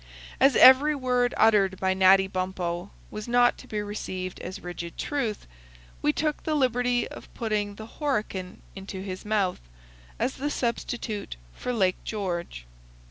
As every word uttered by Natty Bumppo was not to be received as rigid truth, we took the liberty of putting the "Horican" into his mouth, as the substitute for "Lake George."